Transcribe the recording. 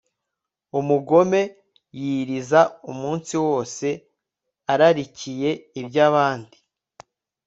umugome yiriza umunsi wose ararikiye iby'abandi